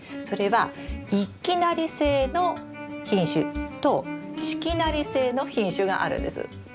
それは一季なり性の品種と四季なり性の品種があるんです。